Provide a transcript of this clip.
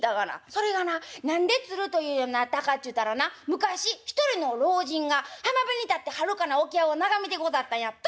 「それがな何でつると言うようになったかっちゅうたらな昔一人の老人が浜辺に立ってはるかな沖合を眺めてござったんやっと。